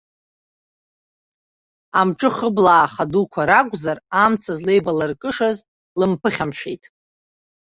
Амҿы хыблааха дуқәа ракәзар, амца злеибалыркышаз лымԥыхьамшәеит.